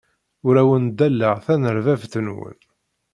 Ur awen-ddaleɣ tanerdabt-nwen.